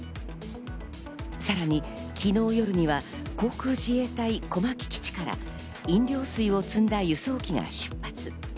さらに昨日夜には航空自衛隊・小牧基地から飲料水を積んだ輸送機が出発。